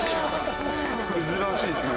珍しいですね。